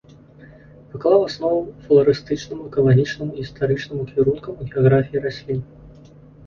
Паклаў аснову фларыстычнаму, экалагічнаму і гістарычнаму кірункам у геаграфіі раслін.